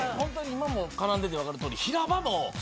今も絡んでて分かるとおり平場も。